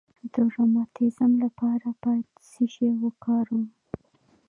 د روماتیزم لپاره باید څه شی وکاروم؟